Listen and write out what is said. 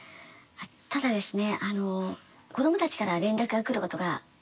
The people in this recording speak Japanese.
ただですね。